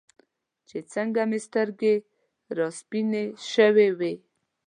چې څنګه مې سترګې راسپینې شوې وې.